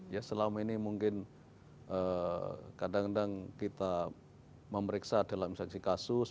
ya selama ini mungkin kadang kadang kita memeriksa dalam saksi kasus